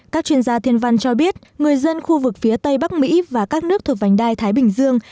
các chuyên gia thiên văn cho biết người dân khu vực phía tây bắc mỹ và các nước thuộc vành đai thái bình dương